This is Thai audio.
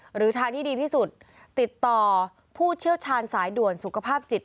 หรือทางที่ดีที่สุดติดต่อผู้เชี่ยวชาญสายด่วนสุขภาพจิต